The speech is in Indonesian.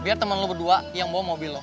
biar temen lo berdua yang bawa mobil lo